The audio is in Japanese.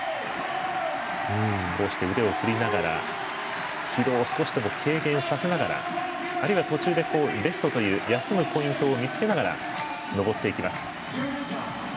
こうして腕を振りながら疲労を少しでも軽減させながらあるいは途中ではレストという休むポイントを見つけながら登っていきます。